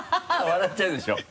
笑っちゃうでしょ？